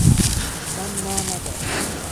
اصلا نا ندارم.